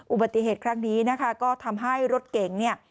อุบัติเหตุครั้งนี้นะคะก็ทำให้รถเก๋งเนี่ย